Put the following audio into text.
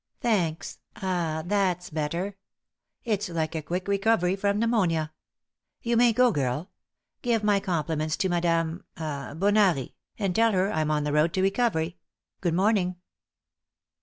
Thanks, that's better. It's like a quick recovery from pneumonia. You may go, girl. Give my compliments to Madame ah Bonari, and tell her I'm on the road to recovery. Good morning!"